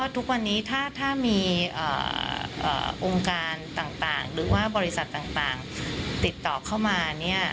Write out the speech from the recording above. ทุกวันนี้ถ้ามีองค์การต่างหรือว่าบริษัทต่างติดต่อเข้ามา